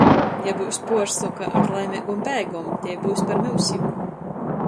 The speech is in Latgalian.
Ja byus puosoka ar laimeigom beigom - tei byus par myusim.